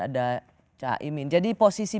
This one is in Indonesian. ada caimin jadi posisi